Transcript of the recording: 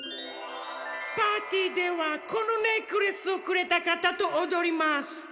パーティーではこのネックレスをくれたかたとおどります。